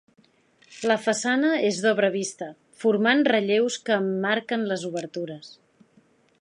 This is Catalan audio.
La façana és d'obra vista, formant relleus que emmarquen les obertures.